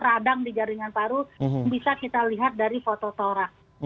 radang di jaringan paru bisa kita lihat dari foto torak